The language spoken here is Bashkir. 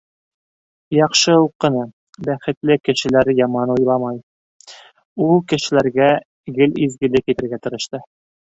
Яҡшы уҡыны, бәхетле кешеләр яман уй уйламай - ул кешеләргә гел изгелек итергә тырышты.